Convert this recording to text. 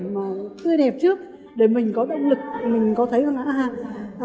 mà tươi đẹp trước để mình có động lực mình có thấy hơn hãng